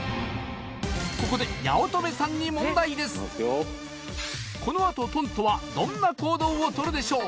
ここでこのあとトントはどんな行動をとるでしょう？